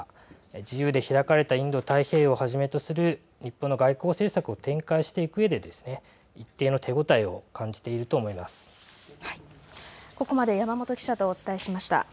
自由で開かれたインド太平洋をはじめとする日本の外交政策を展開していく上で一定の手応えをここまで山本記者とお伝えしました。